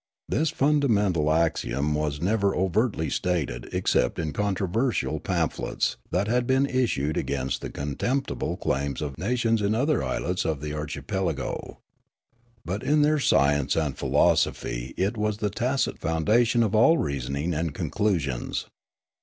This fundamental axiom was never overtly stated except in controversial pamphlets that had been issued against the contemptible claims of nations in other islets of the archipelago. But in their science and philosophy it was the tacit foundation of all reasonings and conclusions.